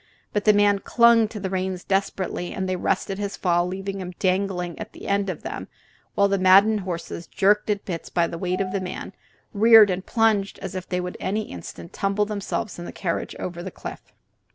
But the man clung to the reins desperately, and they arrested his fall, leaving him dangling at the end of them while the maddened horses, jerked at the bits by the weight of the man, reared and plunged as if they would in any instant tumble themselves and the carriage over the cliff.